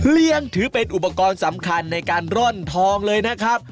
ถือเป็นอุปกรณ์สำคัญในการร่อนทองเลยนะครับ